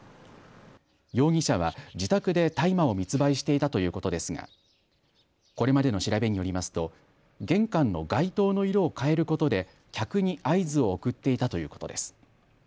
容疑者は自宅で大麻を密売していたということですがこれまでの調べによりますと玄関の外灯の色を変えることで客に合図を送っていたということです。